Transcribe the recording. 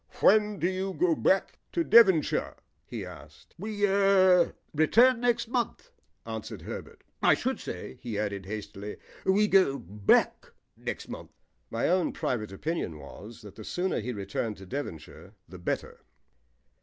"When do you go back to Devonshire?" he asked. "We er return next month," answered Herbert. "I should say," he added hastily, "we go back next month." My own private opinion was that the sooner he returned to Devonshire the better.